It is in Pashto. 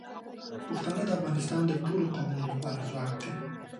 پښتانه د افغانستان د ټولو قومونو لپاره ځواک دي.